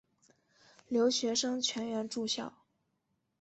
留学生全员住校。